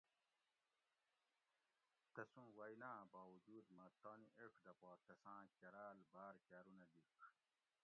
تسُوں ویناۤ آۤں باوجود مہ تانی ایڄ دہ پا تساۤں کراۤل باۤر کاۤرونہ لِیڄ